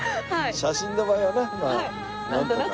写真の場合はなまあなんとか。